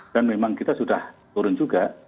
dan memang kita sudah turun juga